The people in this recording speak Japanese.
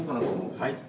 はい。